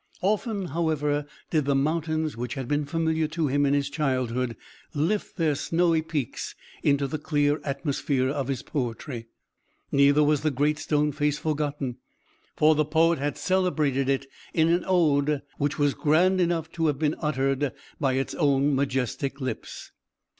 Often, however, did the mountains which had been familiar to him in his childhood, lift their snowy peaks into the clear atmosphere of his poetry. Neither was the Great Stone Face forgotten, for the poet had celebrated it in an ode, which was grand enough to have been uttered by its own majestic lips.